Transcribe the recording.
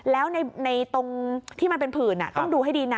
แล้วในตรงที่มันเป็นผื่นต้องดูให้ดีนะ